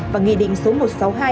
và nghị định số một trăm sáu mươi hai